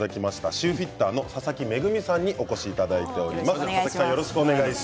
シューフィッターの佐々木恵さんにお越しいただいています。